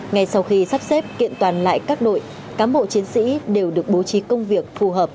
ngay sau khi sắp xếp kiện toàn lại các đội cán bộ chiến sĩ đều được bố trí công việc phù hợp